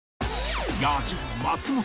野獣松本